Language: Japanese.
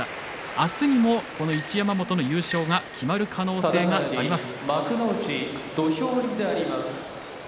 明日にも一山本の優勝が決まる可能性があります。